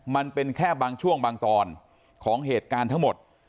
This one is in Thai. มันเป็นแค่บางช่วงบางตอนของเหตุการณ์ทั้งหมด